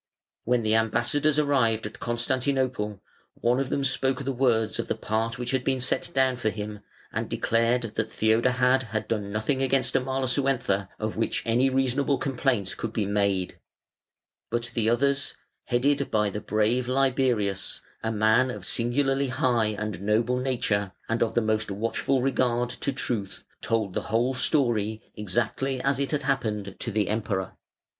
When the ambassadors arrived at Constantinople one of them spoke the words of the part which had been set down for him and declared that Theodahad had done nothing against Amalasuentha of which any reasonable complaint could be made; but the others, headed by the brave Liberius, "a man of singularly high and noble nature, and of the most watchful regard to truth", told the whole story exactly as it had happened to the Emperor.